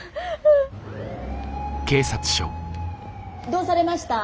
どうされました？